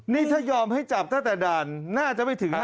นี่ถ้ายอมให้จับตั้งแต่ด่านน่าจะไม่ถึง